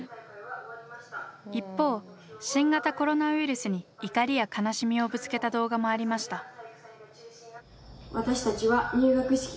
一方新型コロナウイルスに怒りや悲しみをぶつけた動画もありました。